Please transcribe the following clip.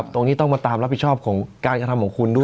ตรงนี้ต้องมาตามรับผิดชอบของการกระทำของคุณด้วย